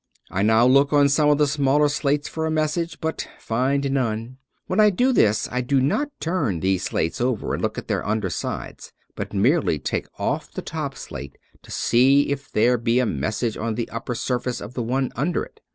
I now look on some of the smaller slates for a message, but find none. When I do this I do not turn these slates over and look on their under sides, but merely take oflf the top slate to see if there be a message on the upper surface of the one under it.